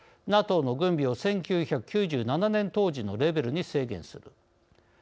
ＮＡＴＯの軍備を１９９７年当時のレベルに制限する。